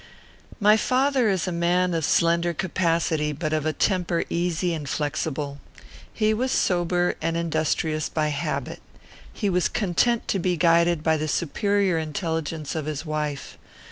My father is a man of slender capacity, but of a temper easy and flexible. He was sober and industrious by habit. He was content to be guided by the superior intelligence of his wife.